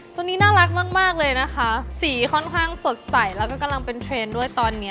ตัวนี้น่ารักมากเลยนะคะสีค่อนข้างสดใสแล้วก็กำลังเป็นเทรนด์ด้วยตอนนี้